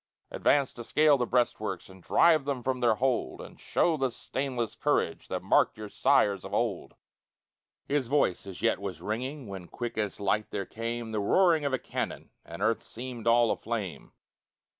Advance to scale the breastworks, And drive them from their hold, And show the stainless courage That marked your sires of old!" His voice as yet was ringing, When, quick as light, there came The roaring of a cannon, And earth seemed all aflame.